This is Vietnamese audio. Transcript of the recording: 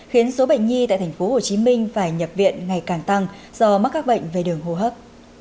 khiến số bệnh nhi tại tp hcm phải nhập viện ngày càng tăng do mắc các bệnh về đường hô hấp